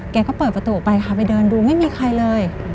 แกก็เปิดประตูออกไปค่ะไปเดินดูไม่มีใครเลย